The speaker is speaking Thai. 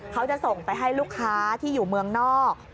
เขาจะส่งไปให้ลูกค้าที่อยู่เมืองนอก